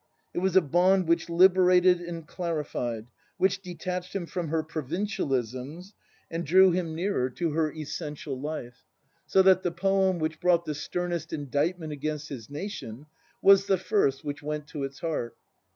It was a bond which liberated and clarified ; which detached him from her provincialisms, and drew him nearer to her 8 BRAND essential life; so that the poem which brought the sternest indictment against his nation was the first which went to its heart.